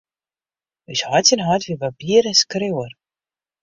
Us heit syn heit wie barbier en skriuwer.